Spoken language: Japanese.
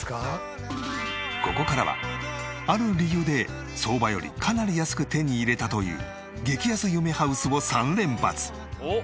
ここからはある理由で相場よりかなり安く手に入れたという激安夢ハウスを３連発。